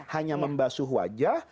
hanya membasuh wajah